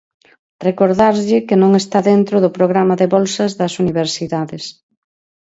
Recordarlle que non está dentro do programa de bolsas das universidades.